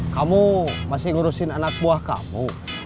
kamu masih ngurusin anak buah kamu